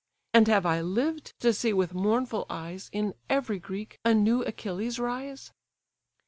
And have I lived to see with mournful eyes In every Greek a new Achilles rise?"